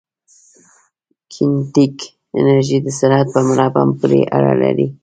کینیتیک انرژي د سرعت په مربع پورې اړه لري.